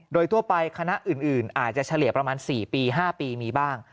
โดยทั่วไปคณะอื่นอาจจะเฉลี่ยประมาณ๔ปี๕ปีมีบ้าง